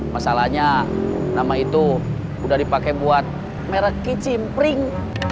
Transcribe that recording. masalahnya nama itu sudah dipakai buat merek kicimpring